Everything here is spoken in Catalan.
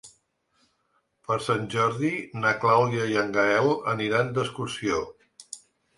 Per Sant Jordi na Clàudia i en Gaël aniran d'excursió.